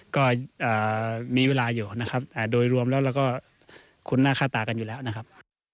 ก็มีเวลาอยู่นะครับแต่โดยรวมแล้วเราก็คุ้นหน้าค่าตากันอยู่แล้วนะครับ